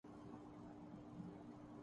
میں نے اتنے ہاٹ ڈاگز کھائیں جتنے میں کھا پایا